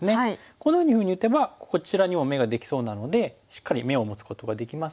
こんなふうに打てばこちらにも眼ができそうなのでしっかり眼を持つことができますし。